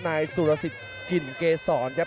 นายสุรสิทธิ์กลิ่นเกษรครับ